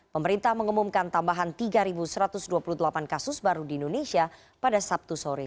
pemerintah mengumumkan tambahan tiga satu ratus dua puluh delapan kasus baru di indonesia pada sabtu sore